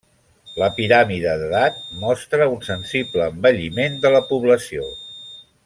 La piràmide d'edat mostra un sensible envelliment de la població.